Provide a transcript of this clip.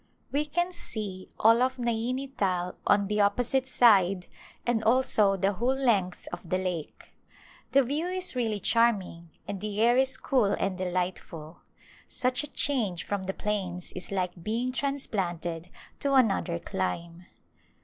We can see all of Naini Tal on the opposite side and also the whole length of the lake. The view is really charm ing, and the air is cool and delightful. Such a change from the plains is like being transplanted to another clime.